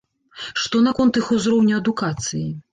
Што наконт іх узроўню адукацыі?